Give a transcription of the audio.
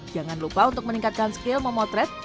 jangan lupa untuk meningkatkan skill memotret